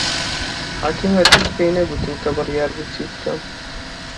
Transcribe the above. حەکیم هەرگیز پێی نەگوتم کە بڕیار بوو چی بکەم.